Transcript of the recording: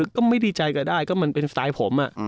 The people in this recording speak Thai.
ก็ไม่ดีใจก็ได้ก็มันเป็นสไตล์ผม